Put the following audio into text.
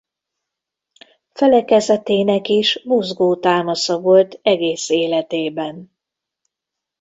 Felekezetének is buzgó támasza volt egész életében.